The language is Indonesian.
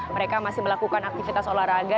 mereka masih melakukan aktivitas olahraga